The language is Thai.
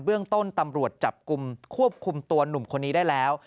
เรื่องต้นตำรวจจับกลุ่มควบคุมตัวหนุ่มคนนี้ได้แล้ว